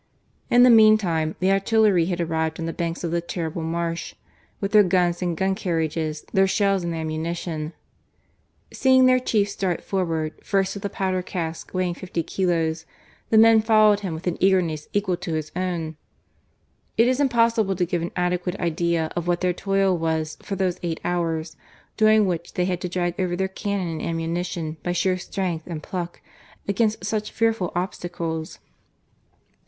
In the meantime the artillery had arrived on the banks of the terrible marsh, with their guns and gun "Carriages, their shells and ammunition. Seeing loo GARCIA MORENO. their Chief start forward first with a powder cask weighing fifty kilos, the men followed him with an eagerness equal to his own. It is impossible to give an adequate idea of what their toil was for those eight hours, during which they had to drag over their cannon and ammunition by sheer strength and pluck against such fearful obstacles.